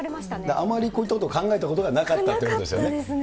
あまりこういったことが考えたことがなかったということですね。